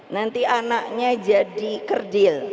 nanti anaknya jadi kerdil